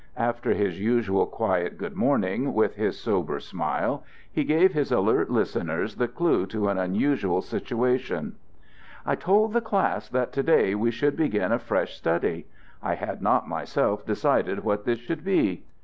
After his usual quiet good morning with his sober smile, he gave his alert listeners the clue to an unusual situation: "I told the class that to day we should begin a fresh study. I had not myself decided what this should be.